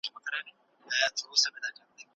موږ باید له کاروان سره یوځای شو.